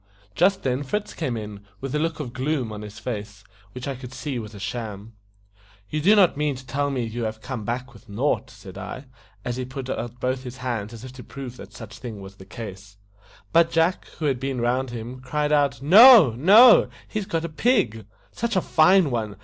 Just then Fritz came in, with a look of gloom on his face, which I could see was a sham. "You do not mean to tell me you have come back with nought?" said I, as he put out his hands as if to prove that such was the case. But Jack, who had been round him, cried out, "No, no! he's got a pig! such a fine one.